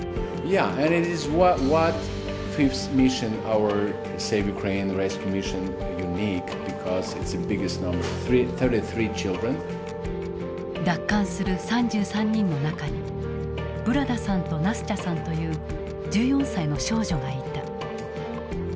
ウクライナでは奪還する３３人の中にブラダさんとナスチャさんという１４歳の少女がいた。